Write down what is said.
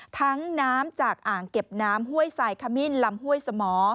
น้ำจากอ่างเก็บน้ำห้วยสายขมิ้นลำห้วยสมอ